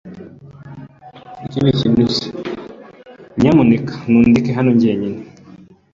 Nyamuneka ntundeke hano jyenyine.